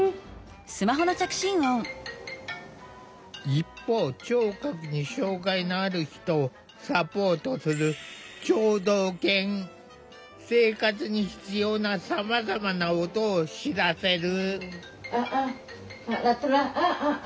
一方聴覚に障害のある人をサポートする生活に必要なさまざまな音を知らせる。